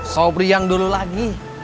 sobri yang dulu lagi